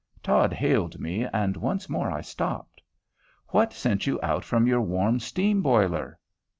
Todd hailed me, and once more I stopped. "What sent you out from your warm steam boiler?"